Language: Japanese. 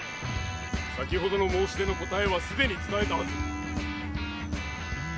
先ほどの申し出の答えはすでに伝えたはず。